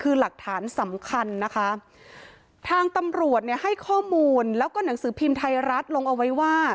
คือหลักฐานสำคัญนะคะทางตำรวจเนี่ยให้ข้อมูลแล้วก็หนังสือพิมพ์ไทยรัฐลงเอาไว้ว่า